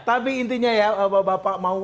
tapi intinya ya bapak